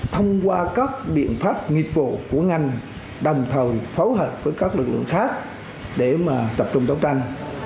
thông qua các biện pháp nghiệp vụ của ngành đồng thời phối hợp với các lực lượng khác để tập trung đấu tranh